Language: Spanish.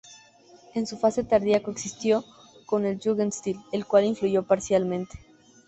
En su fase tardía coexistió con el Jugendstil, el cual influyó parcialmente.